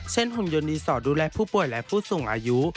เช่นหุ่นยนต์ดินสอดูแลผู้ป่วยและผู้สูงอายุ